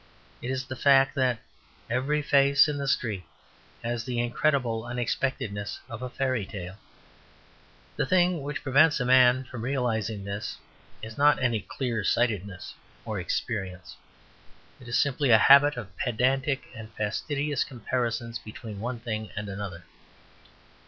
It is the fact that every face in the street has the incredible unexpectedness of a fairy tale. The thing which prevents a man from realizing this is not any clear sightedness or experience, it is simply a habit of pedantic and fastidious comparisons between one thing and another.